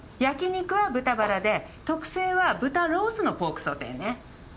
焼肉は豚バラで特製は豚ロースのポークソテーね。